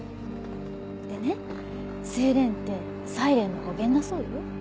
でねセイレーンってサイレンの語源だそうよ。